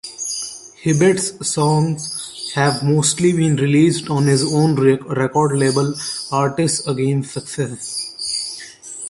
Hibbett's songs have mostly been released on his own record label, Artists Against Success.